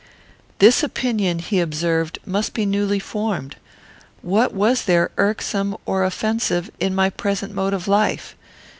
This opinion, he observed, must be newly formed. What was there irksome or offensive in my present mode of life?